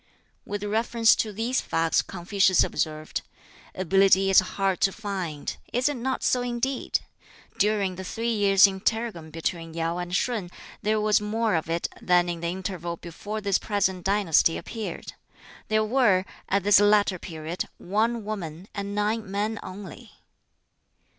With reference to these facts Confucius observed, "Ability is hard to find. Is it not so indeed? During the three years' interregnum between Yau and Shun there was more of it than in the interval before this present dynasty appeared. There were, at this latter period, one woman, and nine men only.